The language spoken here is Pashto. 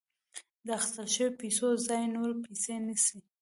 د اخیستل شویو پیسو ځای نورې پیسې نیسي